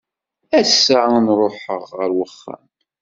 Ass-a ad ruḥeɣ ɣer uxxam.